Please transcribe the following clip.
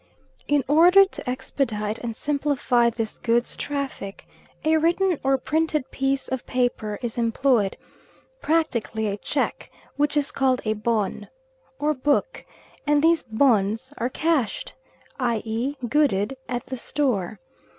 In order to expedite and simplify this goods traffic, a written or printed piece of paper is employed practically a cheque, which is called a "bon" or "book," and these "bons" are cashed i.e. gooded, at the store.